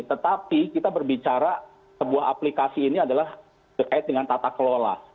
tetapi kita berbicara sebuah aplikasi ini adalah berkait dengan tata kelola